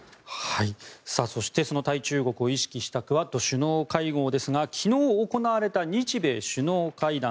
そして、その対中国を意識したクアッド首脳会合ですが昨日、行われた日米首脳会談。